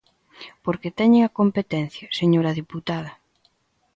Porque teñen a competencia, señora deputada.